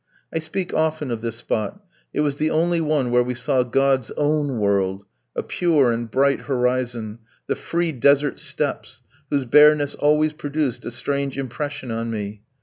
I speak often of this spot, it was the only one where we saw God's own world, a pure and bright horizon, the free desert steppes, whose bareness always produced a strange impression on me.